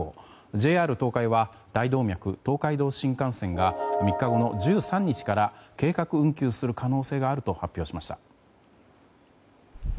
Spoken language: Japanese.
ＪＲ東海は大動脈東海道新幹線が３日後の１３日から計画運休する可能性があると発表しました。